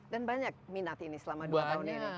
dan banyak minat ini selama dua tahun ini